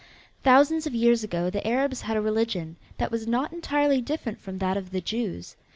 Thousands of years ago the Arabs had a religion that was not entirely different from that of the Jews.